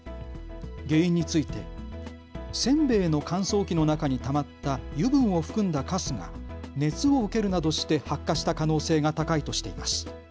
原因についてせんべいの乾燥機の中にたまった油分を含んだかすが熱を受けるなどして発火した可能性が高いとしています。